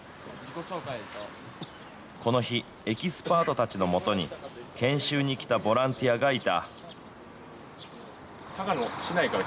この日、エキスパートたちのもとに、研修に来たボランティアがいた。